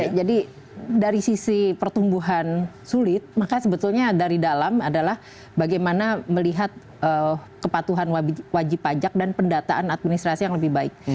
ya jadi dari sisi pertumbuhan sulit maka sebetulnya dari dalam adalah bagaimana melihat kepatuhan wajib pajak dan pendataan administrasi yang lebih baik